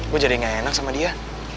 gue jadi gak enak sama dia